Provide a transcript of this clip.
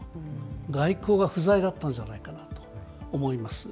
外交が不在だったんじゃないかなと思います。